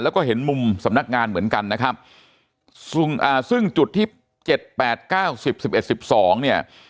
แล้วก็เห็นมุมสำนักงานเหมือนกันนะครับซึ่งจุดที่๗๘๙๑๐๑๑๑๒